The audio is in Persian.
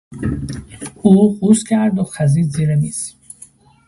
او قوز کرد و خزید زیر میز.